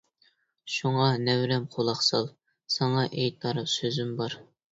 شۇڭا نەۋرەم قۇلاق سال، ساڭا ئېيتار سۆزۈم بار.